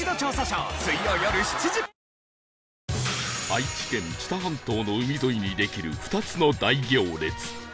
愛知県知多半島の海沿いにできる２つの大行列